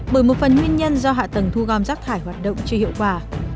bởi một phần nguyên nhân do hạ tầng thu gom rác thải hoạt động chưa hiệu quả